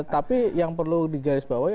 tapi yang perlu digarisbawahi